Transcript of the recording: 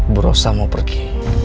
berusaha mau pergi